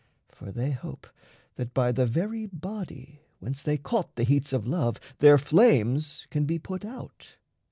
For they hope That by the very body whence they caught The heats of love their flames can be put out.